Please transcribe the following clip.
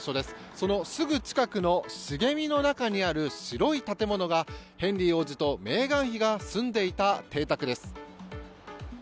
そのすぐ近くの茂みの中にある白い建物がヘンリー王子とメーガン妃が住んでいた邸宅です。